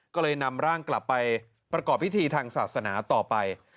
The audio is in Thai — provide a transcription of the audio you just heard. ก็เลยนำร่างกลับไปประกอบพิธีทางศาสนาต่อไป